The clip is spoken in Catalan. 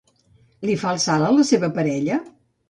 Li fa el salt a la seva parella?